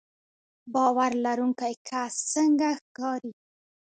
باور لرونکی کس څنګه ښکاري